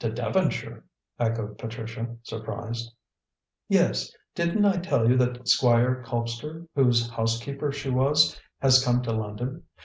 "To Devonshire?" echoed Patricia, surprised. "Yes. Didn't I tell you that Squire Colpster, whose housekeeper she was, has come to London?